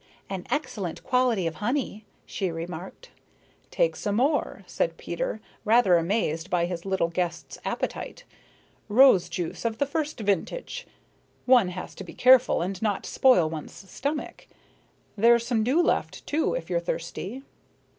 "An excellent quality of honey," she remarked. "Take some more," said Peter, rather amazed by his little guest's appetite. "Rose juice of the first vintage. One has to be careful and not spoil one's stomach. There's some dew left, too, if you're thirsty."